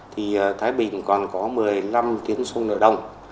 thì thái bình còn có một mươi năm tuyến sông nở đông